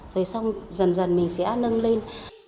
rồi xong dần dần mình sẽ nâng lên